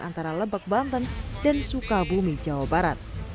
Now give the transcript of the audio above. antara lebak banten dan sukabumi jawa barat